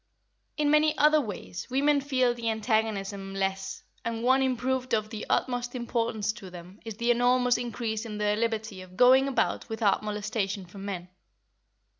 In many other ways women feel the antagonism less, and one improvement of the utmost importance to them is the enormous increase in their liberty of going about without molestation from men.